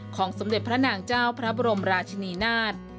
สมเด็จพระนางเจ้าพระบรมราชินีนาฏ